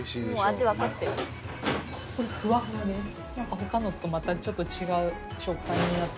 他のとまたちょっと違う食感になってる感じ。